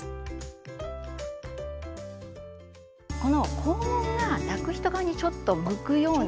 この肛門が抱く人側にちょっと向くような。